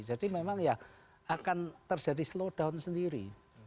jadi memang ya akan terjadi slow down sendiri